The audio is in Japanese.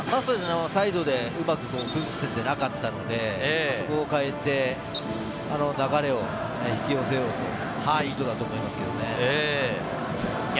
サイドがうまく崩せてなかったので、そこを代えて流れを引き寄せようという意図だと思います。